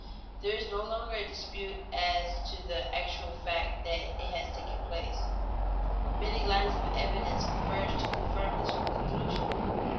There is no longer any dispute as to the actual fact that it has taken place. Many lines of evidence converge to confirm this one conclusion.